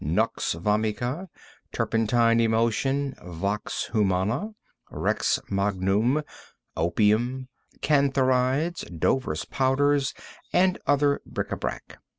nux vomica, turpentine emulsion, vox humana, rex magnus, opium, cantharides, Dover's powders, and other bric a brac.